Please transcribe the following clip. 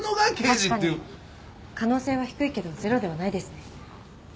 確かに可能性は低いけどゼロではないですね。